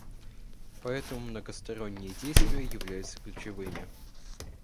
Поэтому многосторонние действия являются ключевыми.